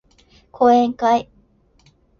講演会